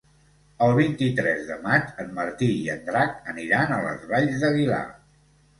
El vint-i-tres de maig en Martí i en Drac aniran a les Valls d'Aguilar.